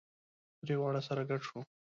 درې واړه سره ګډ شوو.